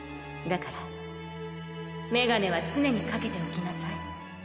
だからメガネは常にかけておきなさい